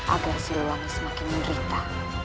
agar siliwangi semakin menderita